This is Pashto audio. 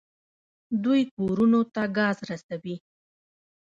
دوی کورونو ته ګاز رسوي.